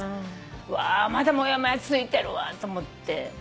うわまだモヤモヤ続いてるわと思って。